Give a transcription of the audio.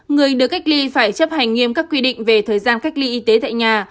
người được cách ly phải chấp hành nghiêm các quy định về thời gian cách ly y tế tại nhà